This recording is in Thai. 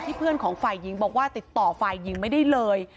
เพื่อนของฝ่ายหญิงบอกว่าติดต่อฝ่ายหญิงไม่ได้เลย